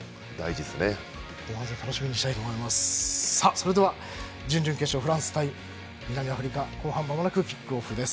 それでは準々決勝フランス対南アフリカ後半まもなくキックオフです。